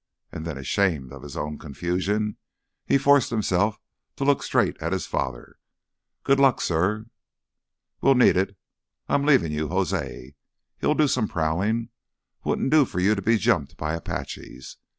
And then, ashamed of his own confusion, he forced himself to look straight at his father. "Good luck, suh." "We'll need it. I'm leaving you José—he'll do some prowling. Wouldn't do for you to be jumped by Apaches.